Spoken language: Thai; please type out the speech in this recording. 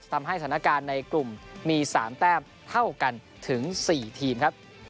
ทำให้สถานการณ์ในกลุ่มมี๓แต้มเท่ากันถึง๔ทีมครับ